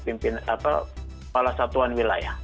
pimpin atau kuala satuan wilayah